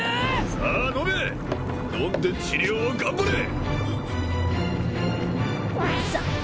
さあ飲め飲んで治療を頑張れ！さ